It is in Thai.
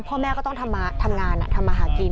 พ่อแม่ก็ต้องทำงานทำมาหากิน